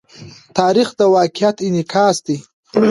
تاریخ د واقعیت انعکاس دی.